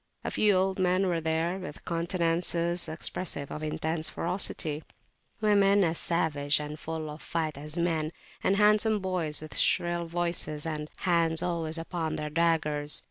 A few old men were there, with countenances expressive of intense ferocity; women as savage and full of fight as men; and handsome boys with shrill voices, and. hands always upon their daggers.